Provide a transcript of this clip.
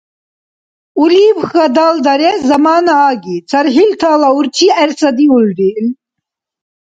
Улибхьа далдарес замана аги: цархӀилтала урчи гӀерсадиулри.